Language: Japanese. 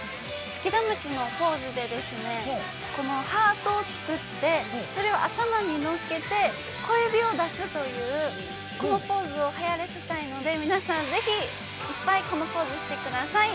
「好きだ虫」のポーズで、このハートを作って、それを頭に乗っけて小指を出すという、このポーズをはやらせたいので皆さん、ぜひいっぱい、このポーズをしてください。